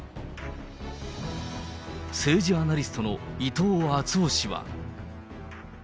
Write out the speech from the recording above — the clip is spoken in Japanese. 政治アナリストの伊藤惇夫氏は。